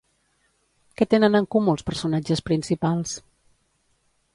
Què tenen en comú els personatges principals?